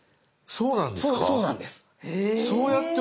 そうなんです